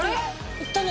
いったね。